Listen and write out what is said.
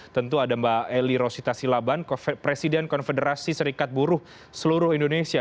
tentu ada mbak eli rosita silaban presiden konfederasi serikat buruh seluruh indonesia